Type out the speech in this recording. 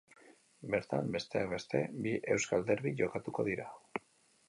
Bertan, besteak beste, bi euskal derbi jokatuko dira.